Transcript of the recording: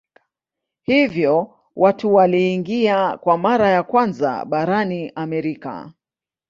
Hivyo watu waliingia kwa mara ya kwanza barani Amerika.